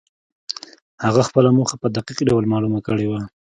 هغه خپله موخه په دقيق ډول معلومه کړې وه.